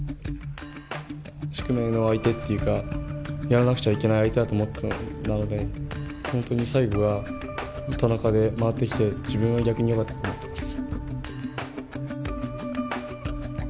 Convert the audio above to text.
宿命の相手っていうかやらなくちゃいけない相手だと思っていたのでなので本当に最後は田中で回ってきて自分は逆によかったと思っています。